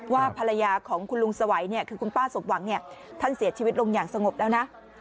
ว่าภรรยาของคุณลุงสวัยเนี่ยคือคุณป้าสมหวังเนี่ยท่านเสียชีวิตลงอย่างสงบแล้วนะ